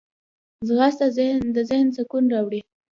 ځغاسته د ذهن سکون راوړي